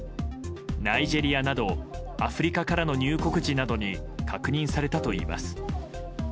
ナイジェリアなどアフリカからの入国時などに確認されたといいます。